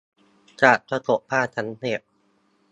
จะประสบความสำเร็จ